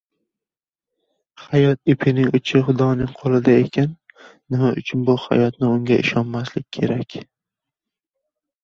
Hayot ipining uchi Xudoning qo‘lida ekan, nima uchun bu hayotni Unga ishonmaslik kerak.